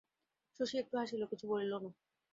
শশী একটু হাসিল, কিছু বলিল না।